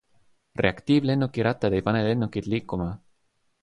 Reaktiivlennuki rattad ei pane lennukit liikuma.